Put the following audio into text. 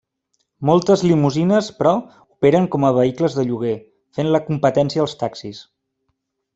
Moltes limusines, però, operen com a vehicles de lloguer, fent la competència als taxis.